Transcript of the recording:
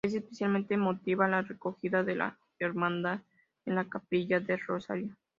Es especialmente emotiva la recogida de la Hermandad en la Capilla del Rosario.